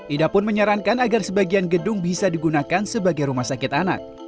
ida pun menyarankan agar sebagian gedung bisa digunakan sebagai rumah sakit anak